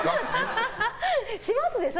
しますでしょ？